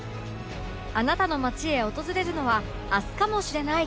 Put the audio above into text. あなたの街へ訪れるのは明日かもしれない